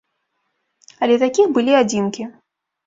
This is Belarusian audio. Але такіх былі адзінкі.